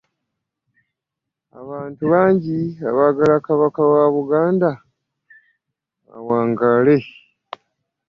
Abantu bangi abagala kabaka wa Buganda awangale.